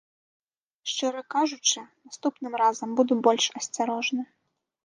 Шчыра кажучы, наступным разам буду больш асцярожны.